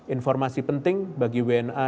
informasi penting bagi wna